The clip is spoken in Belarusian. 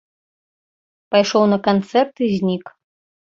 Пайшоў на канцэрт, і знік.